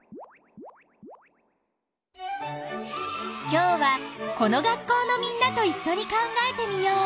今日はこの学校のみんなといっしょに考えてみよう。